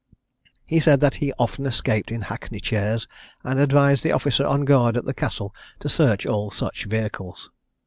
He said that he often escaped in hackney chairs, and advised the officer on guard at the Castle to search all such vehicles.